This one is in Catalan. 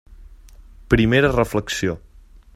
Primera reflexió.